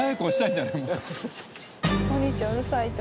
お兄ちゃんうるさいと。